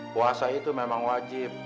puasa itu memang wajib